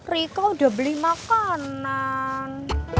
rika udah beli makanan